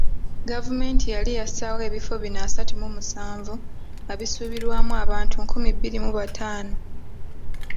Gavumenti yali yassaawo ebifo bino asatu mu musanvu nga bisuubirwamu abantu nkumi bbiri mu bataano.